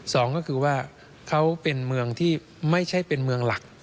สองก็คือว่าเขาเป็นเมืองที่ไม่ใช่เป็นเมืองหลัก